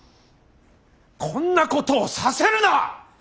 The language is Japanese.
こんなことをさせるな！